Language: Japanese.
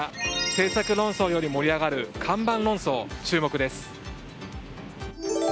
政策論争より盛り上がる看板論争注目です。